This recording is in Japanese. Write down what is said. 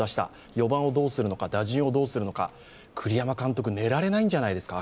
４番をどうするのか、打順をどうするのか、栗山監督寝られないんじゃないですか？